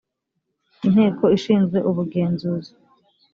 inteko ishinzwe ubugenzuzi